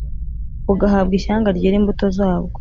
bugahabwa ishyanga ryera imbuto zabwo